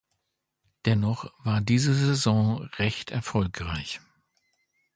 Dennoch war diese Saison recht erfolgreich.